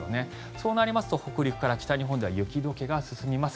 そうなりますと北陸から北日本では雪解けが進みます。